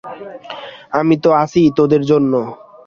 আমি তো আছিই তোদের জন্য।